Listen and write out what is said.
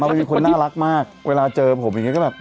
เป็นคนน่ารักมากเวลาเจอผมอย่างนี้ก็แบบ